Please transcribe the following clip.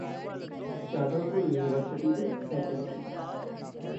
Jadavpur university में vacancy